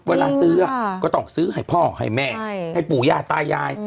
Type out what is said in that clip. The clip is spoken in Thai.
เวลาซื้อก็ต้องซื้อให้พ่อให้แม่ให้ปู่ย่าตายาย